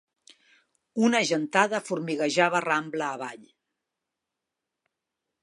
Una gentada formiguejava rambla avall.